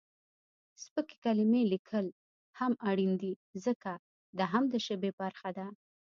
سپکې کلمې لیکل هم اړین دي ځکه، دا هم د ژبې برخه ده.